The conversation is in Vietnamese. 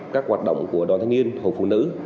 các hoạt động của đoàn thanh niên hội phụ nữ